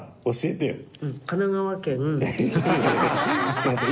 すみません